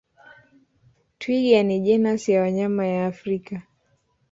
Twiga ni jenasi ya wanyama ya Afrika